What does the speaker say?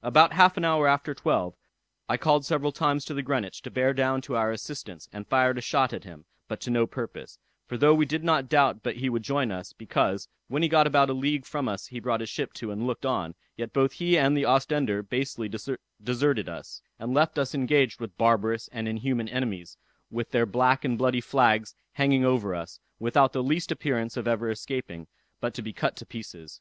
About half an hour after twelve, I called several times to the Greenwich to bear down to our assistance, and fired a shot at him, but to no purpose; for though we did not doubt but he would join us, because, when he got about a league from us he brought his ship to and looked on, yet both he and the Ostender basely deserted us, and left us engaged with barbarous and inhuman enemies, with their black and bloody flags hanging over us, without the least appearance of ever escaping, but to be cut to pieces.